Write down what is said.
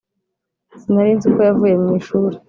Sinarinziko yavuye mw’ishuri